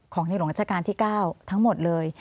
ในหลวงราชการที่๙ทั้งหมดเลย